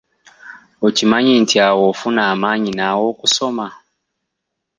Okimanyi nti awo ofuna amaanyi naawe okusoma?